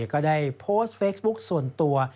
ก็ได้โพสต์เฟซบุ๊คส่วนตัว